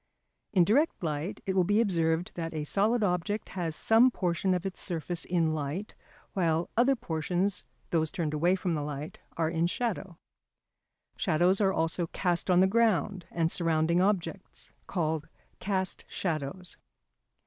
In direct light it will be observed that a solid object has some portion of its surface in light, while other portions, those turned away from the light, are in shadow. Shadows are also cast on the ground and surrounding objects, called cast shadows.